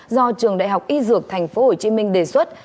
do trường đại học y dược tp hcm đề xuất